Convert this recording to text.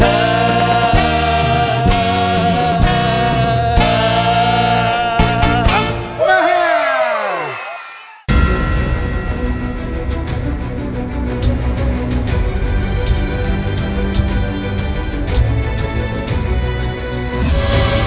โปรดติดตามตอนต่อไป